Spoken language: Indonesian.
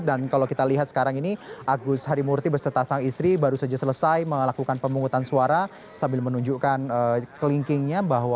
dan kalau kita lihat sekarang ini agus harimurti bersama sang istri baru saja selesai melakukan pemungutan suara sambil menunjukkan kelinkingnya